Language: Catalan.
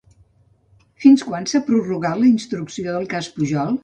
Fins quan s'ha prorrogat la instrucció del cas Pujol?